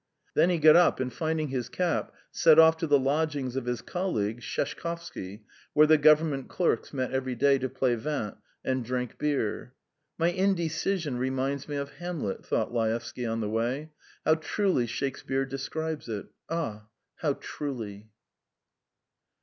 Then he got up, and finding his cap, set off to the lodgings of his colleague, Sheshkovsky, where the Government clerks met every day to play vint and drink beer. "My indecision reminds me of Hamlet," thought Laevsky on the way. "How truly Shakespeare describes it! Ah, how truly!"